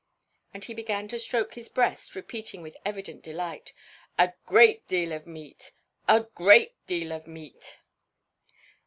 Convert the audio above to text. And he began to stroke his breast, repeating with evident delight: "A great deal of meat! a great deal of meat!"